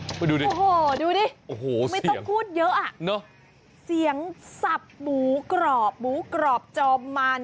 โอ้โหดูดิไม่ต้องพูดเยอะอ่ะสียังสับหมูกรอบหมูกรอบจอบมาร